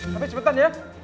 tapi cepetan ya